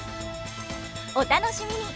お楽しみに！